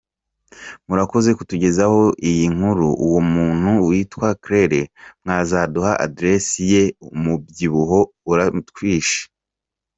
Murakoze kutugezaho iyinkuru uwo muntu witwa Claire mwazaduha adrese ye umubyibuho uratwishe.